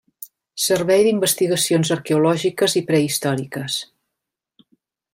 Servei d'Investigacions Arqueològiques i Prehistòriques.